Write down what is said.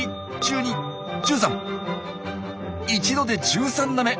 一度で１３なめ！